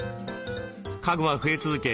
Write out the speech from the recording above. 家具は増え続け